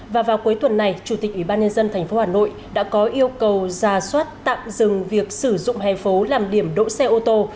và vào cuối tuần này chủ tịch ủy ban nhân dân tp hà nội đã có yêu cầu giả soát tạm dừng việc sử dụng hè phố làm điểm đỗ xe ô tô